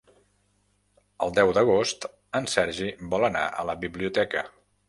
El deu d'agost en Sergi vol anar a la biblioteca.